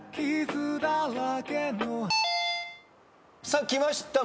さあきました。